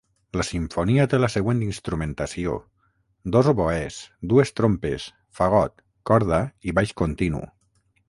La simfonia té la següent instrumentació: dos oboès, dues trompes, fagot, corda i baix continu.